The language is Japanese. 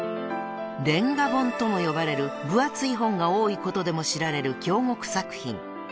［れんが本とも呼ばれる分厚い本が多いことでも知られる京極作品］